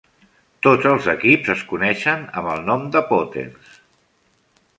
Tots els equips es coneixen amb el nom de Potters.